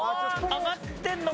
上がってるの？